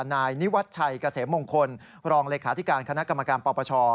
นายนิวัชชัยเกษมมงคลรองเลขาธิการคณะกรรมการปปช